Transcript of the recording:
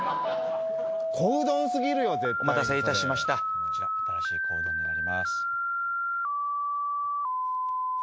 小うどんすぎるよ絶対にそれお待たせいたしましたこちら新しい小うどんになります